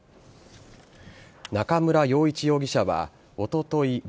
中村陽一容疑者はおととい